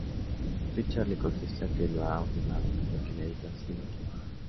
Richard le contesta que lo ha ordenado, porque la isla así lo quiere.